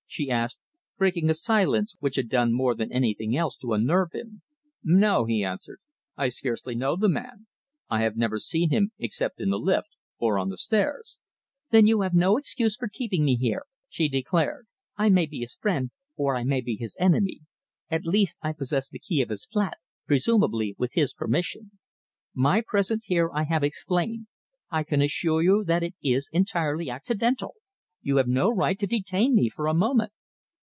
she asked, breaking a silence which had done more than anything else to unnerve him. "No!" he answered. "I scarcely know the man. I have never seen him except in the lift, or on the stairs." "Then you have no excuse for keeping me here," she declared. "I may be his friend, or I may be his enemy. At least I possess the key of his flat, presumably with his permission. My presence here I have explained. I can assure you that it is entirely accidental! You have no right to detain me for a moment."